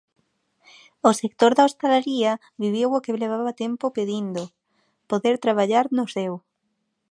O sector da hostalaría viviu o que levaba tempo pedindo: poder traballar no seu.